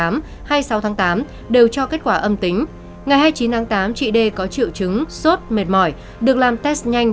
ngày sáu tháng tám đều cho kết quả âm tính ngày hai mươi chín tháng tám chị d có triệu chứng sốt mệt mỏi được làm test nhanh